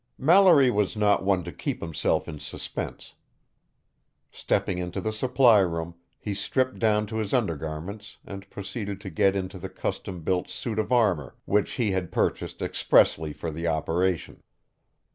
Mallory was not one to keep himself in suspense. Stepping into the supply room, he stripped down to his undergarments and proceeded to get into the custom built suit of armor which he had purchased expressly for the operation.